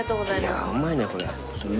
いやうまいねこれ。